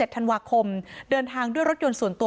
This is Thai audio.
ธันวาคมเดินทางด้วยรถยนต์ส่วนตัว